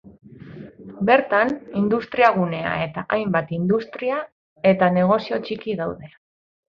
Bertan, industriagunea eta hainbat industria eta negozio txiki daude.